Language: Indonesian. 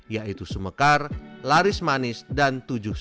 yaitu sumekar laris manis dan tujuh